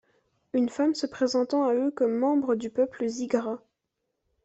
Une femme se présentant à eux comme membre du peuple Zigra...